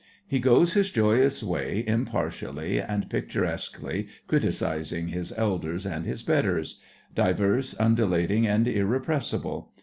He goes his joyous way, impartially and picturesquely criticising his elders and his betters; diverse, undulating, and irrepressible.